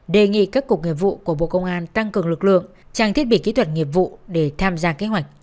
đề nghị các cục nghiệp vụ của bộ công an tăng cường lực lượng trang thiết bị kỹ thuật nghiệp vụ để tham gia kế hoạch